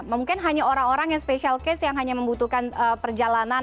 mungkin hanya orang orang yang special case yang hanya membutuhkan perjalanan